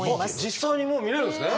実際にもう見れるんですね。